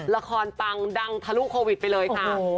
ปังดังทะลุโควิดไปเลยค่ะ